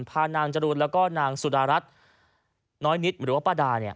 พานางจรุนและนางสุดารัฐน้อยนิดหรือว่าป้าดา